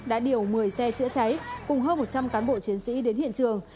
đã điều một mươi xe chữa cháy cùng hơn một trăm linh cán bộ chiến sĩ đến hiện trường